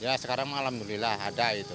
ya sekarang alhamdulillah ada itu